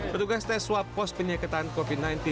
petugas tes swab pos penyekatan covid sembilan belas